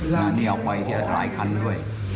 นั่นเนี่ยเอาไว้ที่หลายคันด้วย